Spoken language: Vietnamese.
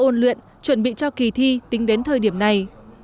ôn luyện chuẩn bị cho kỳ thi tính đến thời điểm này